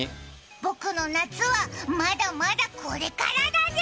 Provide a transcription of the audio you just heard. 僕の夏はまだまだこれからだぜ！